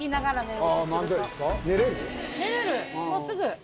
すぐ。